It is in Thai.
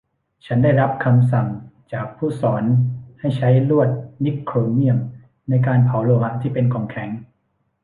ฉันได้รับคำสั่งจากผู้สอนให้ใช้ลวดนิกโครเมี่ยมในการเผาโลหะที่เป็นของแข็ง